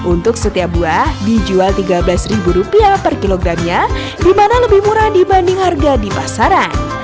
untuk setiap buah dijual rp tiga belas per kilogramnya di mana lebih murah dibanding harga di pasaran